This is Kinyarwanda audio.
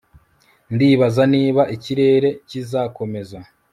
ndibaza niba ikirere kizakomeza